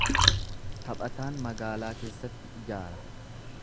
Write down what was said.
Taphataan magaalaa keessatti ijaara.